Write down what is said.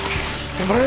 頑張れ。